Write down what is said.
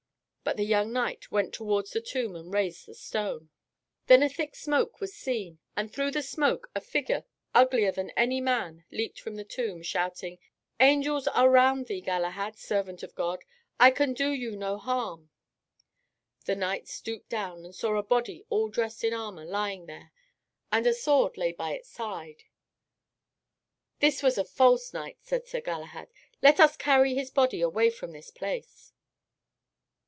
But the young knight went towards the tomb and raised the stone. Then a thick smoke was seen, and through the smoke a figure uglier than any man leaped from the tomb, shouting, "Angels are round thee, Galahad, servant of God. I can do you no harm." The knight stooped down and saw a body all dressed in armor lying there, and a sword lay by its side. "This was a false knight," said Sir Galahad. "Let us carry his body away from this place."